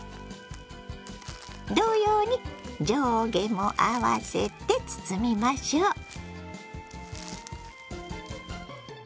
同様に上下も合わせて包みましょう。